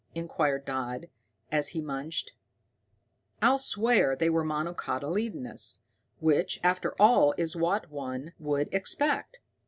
inquired Dodd, as he munched. "I'll swear they were monocotyledonous, which, after all, is what one would expect.